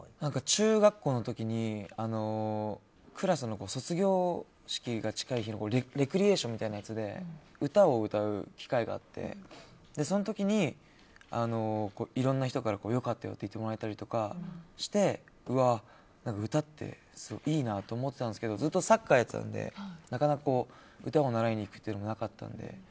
中学校の時にクラスの卒業式が近い日のレクリエーションみたいなやつで歌を歌うやつがあってその時に、いろんな人から良かったよって言ってもらったりしてうわ、歌っていいなと思ったんですけどずっとサッカーやっていたのでなかなか歌を習いに行くのがなかったので。